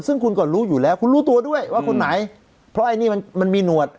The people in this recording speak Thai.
ซึ่งคุณก็รู้อยู่แล้วคุณรู้ตัวด้วยว่าคนไหนเพราะไอ้นี่มันมันมีหนวด